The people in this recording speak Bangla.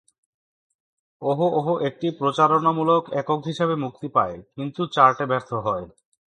ওহো ওহো একটি প্রচারণামূলক একক হিসাবে মুক্তি পায়, কিন্তু চার্টে ব্যর্থ হয়।